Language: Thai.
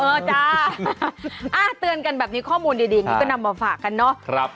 เออจ้าตื่นกันแบบนี้ข้อมูลดีก็นำมาฝากกันเนอะ